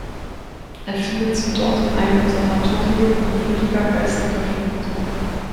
Er findet sie dort in einem Sanatorium in völliger geistiger Verwirrung.